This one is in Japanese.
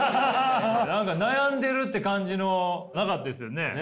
何か悩んでるって感じのなかったですよね？